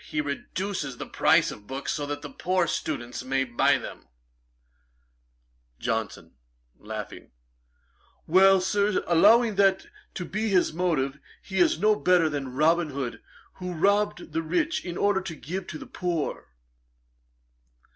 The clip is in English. He reduces the price of books, so that poor students may buy them.' JOHNSON, 'Well, Sir, allowing that to be his motive, he is no better than Robin Hood, who robbed the rich in order to give to the poor.'